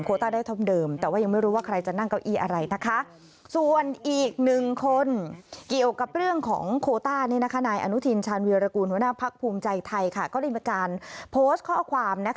ก็ได้เป็นการโพสต์ข้อความ